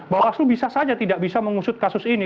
bawaslu bisa saja tidak bisa mengusut kasus ini